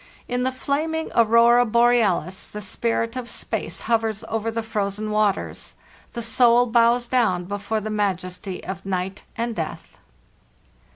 In the flaming aurora borealis the spirit of space hovers over the frozen waters. The soul bows down before the majesty of night and death.